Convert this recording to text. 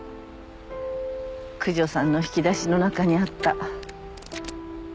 九条さんの引き出しの中にあった。